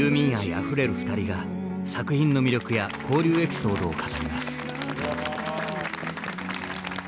あふれる二人が作品の魅力や交流エピソードを語ります。